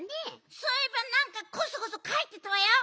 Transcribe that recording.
そういえばなんかコソコソかいてたわよ。